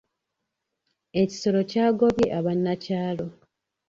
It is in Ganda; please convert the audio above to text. Ekisolo kyagobye abanakyalo.